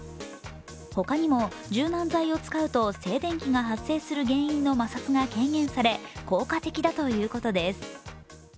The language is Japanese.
他にも柔軟剤を使うと静電気が発生する原因の摩擦が軽減され、効果的だということです。